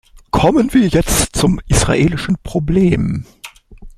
Kommen wir jetzt zum israelischen Problem.